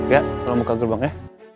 ya tolong buka gerbangnya